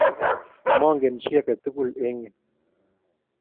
Mongen chi age tugul eng' yu.